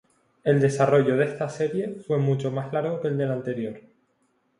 El desarrollo de esta serie fue mucho más largo que el de la anterior.